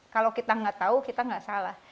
kalau kita gak tahu kita gak salah